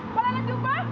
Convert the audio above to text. pak lele dungbo